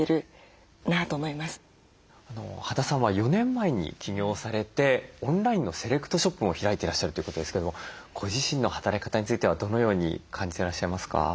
羽田さんは４年前に起業されてオンラインのセレクトショップも開いていらっしゃるということですけどもご自身の働き方についてはどのように感じてらっしゃいますか？